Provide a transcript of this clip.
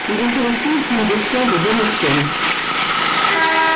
Il était le fils d’une des sœurs de Démosthène.